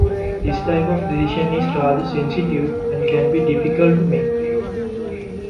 This type of decision is rather sensitive, and can be difficult to make.